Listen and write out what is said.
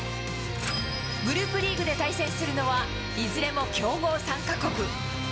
グループリーグで対戦するのはいずれも強豪３か国。